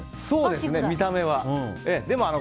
そうですね、見た目は。